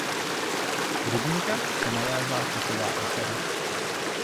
U rybníka se nalézá chatová osada.